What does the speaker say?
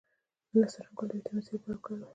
د نسترن ګل د ویټامین سي لپاره وکاروئ